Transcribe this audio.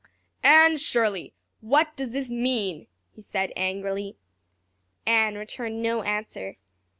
"Anne Shirley, what does this mean?" he said angrily. Anne returned no answer.